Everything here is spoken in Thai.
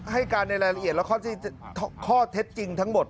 ให้การในรายละเอียดและข้อเท็จจริงทั้งหมด